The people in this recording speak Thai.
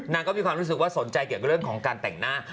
ก็มีความรู้สึกว่าสนใจเกี่ยวกับเรื่องของการแต่งหน้า